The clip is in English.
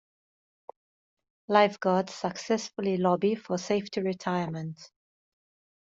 Lifeguards successfully lobby for Safety Retirement.